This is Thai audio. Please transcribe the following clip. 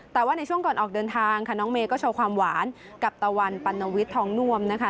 แต่ว่าในช่วงก่อนออกเดินทางค่ะน้องเมย์ก็โชว์ความหวานกับตะวันปัณวิทย์ทองนวมนะคะ